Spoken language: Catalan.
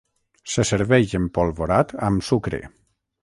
Se serveix empolvorat amb sucre.